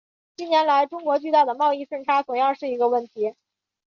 近年来中国巨大的贸易顺差同样是一个问题。